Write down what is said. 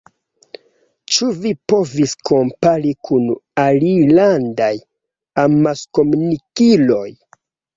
Ĉu vi povis kompari kun alilandaj amaskomunikiloj?